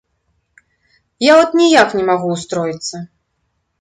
Я от ніяк не магу ўстроіцца.